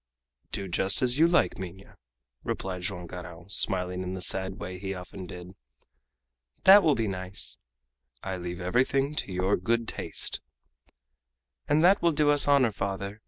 "Do just as you like, Minha," replied Joam Garral, smiling in the sad way he often did. "That will be nice!" "I leave everything to your good taste." "And that will do us honor, father.